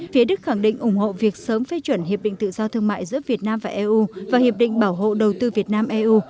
phía đức khẳng định ủng hộ việc sớm phê chuẩn hiệp định tự do thương mại giữa việt nam và eu và hiệp định bảo hộ đầu tư việt nam eu